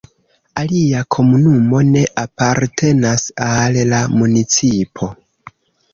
Alia komunumo ne apartenas al la municipo.